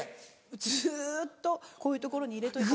ずっとこういう所に入れといて。